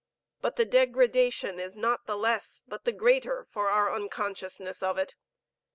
But the degradation is not the less, but the greater, for our unconsciousness of it.